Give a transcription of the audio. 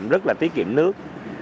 rất là tiết kiệm nước